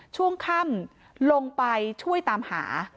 ช่วงค่ำลงไปช่วยตามหา